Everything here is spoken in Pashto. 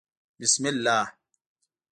_بسم الله.